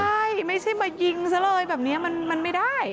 ใช่ไม่ใช่มายิงซะเลยแบบนี้มันไม่ได้